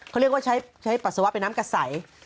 เขาเรียกว่าใช้ปัสสาวะเป็นน้ำกระใส